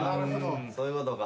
そういうことか。